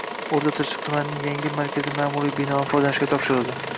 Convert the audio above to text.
O‘rta Chirchiq tumanining yangi markazi ma’muriy binolari foydalanishga topshirildi